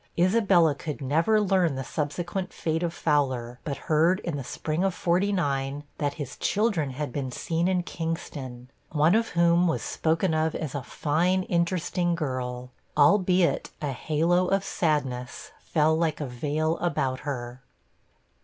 Isabel could never learn the subsequent fate of Fowler, but heard, in the spring of '49, that his children had been seen in Kingston one of whom was spoken of as a fine, interesting girl, albeit a halo of sadness fell like a veil about her.